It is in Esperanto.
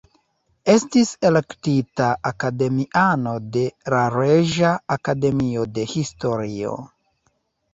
Estis elektita akademiano de la Reĝa Akademio de Historio.